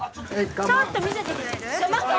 ちょっと見せてくれる？